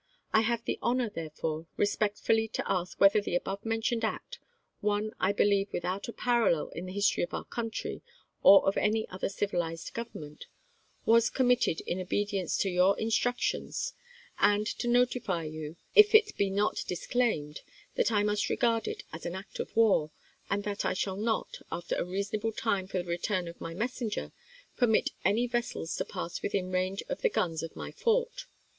I have the honor, therefore, respectfully to ask whether the above mentioned act — one, I believe, without a parallel in the history of our country or of any other civilized government — was committed in obedience to your instructions, and to notify you, if it be not dis claimed, that I must regard it as an act of war, and that I shall not, after a reasonable time for the return of my messenger, permit any vessels to pass within range of the guns of my fort.